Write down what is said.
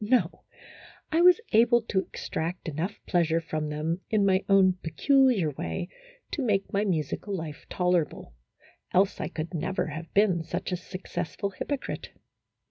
No, I was able to extract enough pleasure from them, in my own peculiar way, to make my musical life tolerable, else I could never have been such a successful hypocrite.